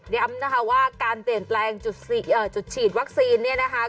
ย้ำนะคะว่าการเปลี่ยนแปลงจุดฉีดวัคซีนเนี่ยนะคะ